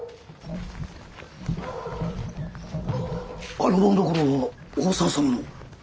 あの紋所は大沢様の。